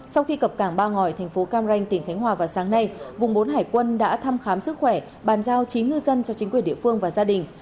sau khi cập cảng ba ngòi thành phố cam ranh tỉnh khánh hòa vào sáng nay vùng bốn hải quân đã thăm khám sức khỏe bàn giao chín ngư dân cho chính quyền địa phương và gia đình